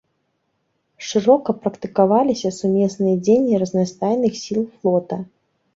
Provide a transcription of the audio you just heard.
Шырока практыкаваліся сумесныя дзеянні разнастайных сіл флота.